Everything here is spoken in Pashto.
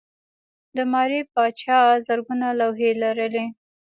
د ماري پاچا زرګونه لوحې لرلې.